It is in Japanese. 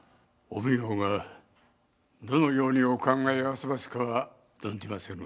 お奉行がどのようにお考えあそばすかは存じませぬ。